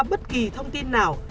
bất kỳ thông tin nào